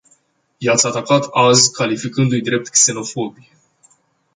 I-ați atacat azi, calificându-i drept xenofobi.